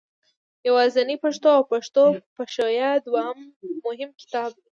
یوازنۍ پښتو او پښتو پښویه دوه مهم کتابونه دي.